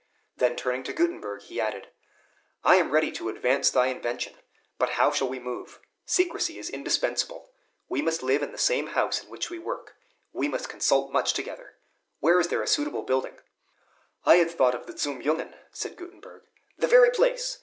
Then, turning to Gutenberg, he added, "I am ready to advance thy invention. But how shall we move? Secrecy is indispensable. We must live in the same house in which we work, we must consult much together. Where is there a suitable building?" "I had thought of the Zum Jungen," said Gutenberg. "The very place.